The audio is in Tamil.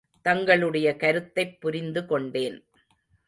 தங்களுடைய கருத்தைப் புரிந்து கொண்டேன்.